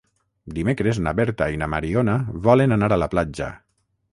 Dimecres na Berta i na Mariona volen anar a la platja.